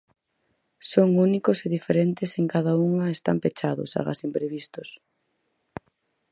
Son únicos e diferentes en cada unha e están pechados, agás imprevistos.